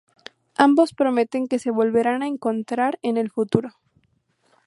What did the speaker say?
Ambos prometen que se volverán a encontrar en el futuro.